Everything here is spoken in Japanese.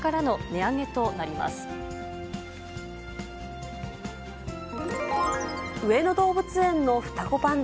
上野動物園の双子パンダ。